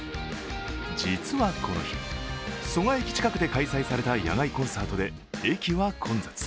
実はこの日、蘇我駅近くで開催された野外コンサートで駅は混雑。